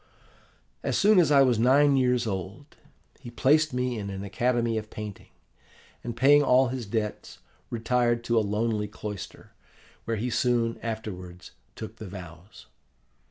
"As soon as I was nine years old, he placed me in an academy of painting, and, paying all his debts, retired to a lonely cloister, where he soon afterwards took the vows.